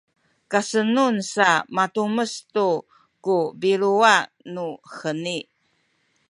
kasenun sa matumes tu ku biluwa nuheni